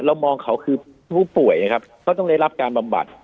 มองเขาคือผู้ป่วยนะครับก็ต้องได้รับการบำบัด